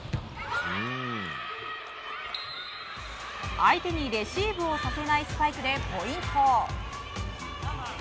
相手にレシーブをさせないスパイクでポイント！